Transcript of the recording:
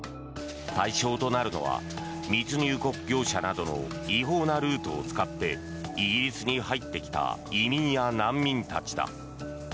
対象となるのは密入国業者などの違法なルートを使ってイギリスに入ってきた移民や難民たちだ。